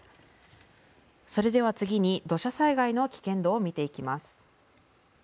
それでは次に土砂災害の危険度を見ていきます。